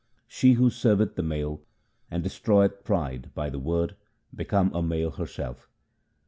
She who serveth the Male and destroyeth pride by the Word, becometh a male herself.